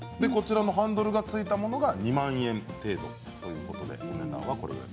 ハンドルがついたものは２万円程度ということです。